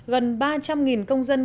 gần ba trăm linh công dân